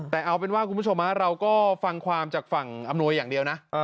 แต่เอาเป็นว่าคุณผู้ชมเราก็ฟังความจากฝั่งอำนวยอย่างเดียวนะ